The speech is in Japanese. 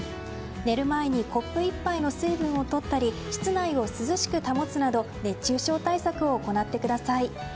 寝る前にコップ１杯の水分をとったり室内を涼しく保つなど熱中症対策を行ってください。